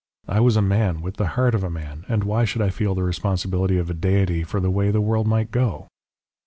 I was a man, with the heart of a man, and why should I feel the responsibility of a deity for the way the world might go?